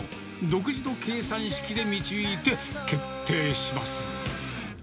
独自の計算式で導いて決定します。